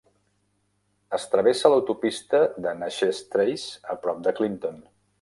Es travessa l'autopista de Natchez Trace a prop de Clinton.